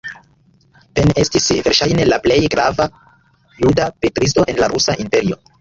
Pen estis verŝajne la plej grava juda pentristo en la rusa imperio.